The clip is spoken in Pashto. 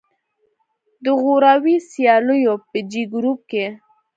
د غوراوي سیالیو په جې ګروپ کې